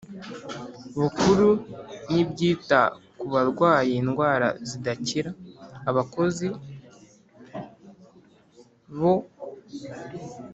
bukuru n ibyita ku barwaye indwara zidakira Abakozi bo